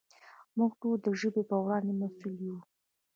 موږ ټول د ژبې په وړاندې مسؤل یو.